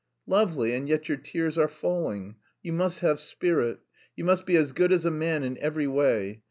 "Lovely, and yet your tears are falling. You must have spirit. You must be as good as a man in every way.